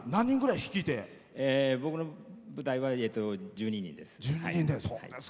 僕の部隊は１２人です。